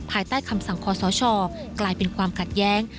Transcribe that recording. ภายใต้คำสั่งคอสชกลายเป็นความขัดแย้ง